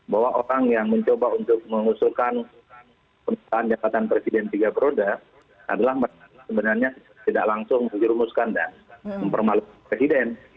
bahwa orang yang mencoba untuk mengusulkan pemerintahan jabatan presiden tiga periode adalah mereka sebenarnya tidak langsung dirumuskan dan mempermalukan presiden